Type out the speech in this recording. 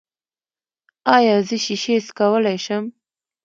ایا زه شیشې څکولی شم؟